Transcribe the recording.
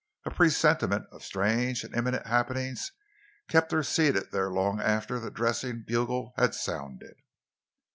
A presentiment of strange and imminent happenings kept her seated there long after the dressing bugle had sounded.